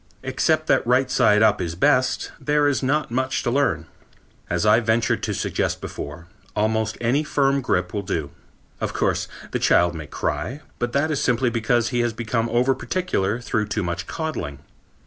Except that right side up is best, there is not much to learn. As I ventured to suggest before, almost any firm grip will do. Of course the child may cry, but that is simply because he has become over particular through too much coddling.